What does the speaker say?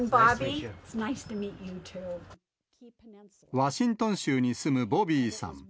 ワシントン州に住むボビーさん。